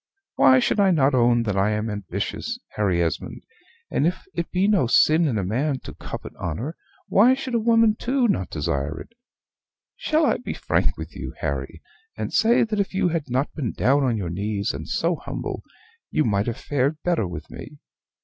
Why should I not own that I am ambitious, Harry Esmond; and if it be no sin in a man to covet honor, why should a woman too not desire it? Shall I be frank with you, Harry, and say that if you had not been down on your knees, and so humble, you might have fared better with me?